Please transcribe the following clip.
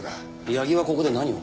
矢木はここで何を？